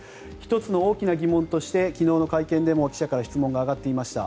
１つの大きな疑問として昨日の会見でも記者から質問が上がっていました。